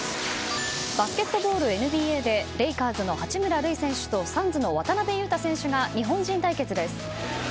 バスケットボールＮＢＡでレイカーズの八村塁選手とサンズの渡邊雄太選手が日本人対決です。